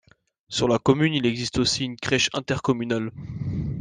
Sur la commune, il existe aussi une crèche inter-communale.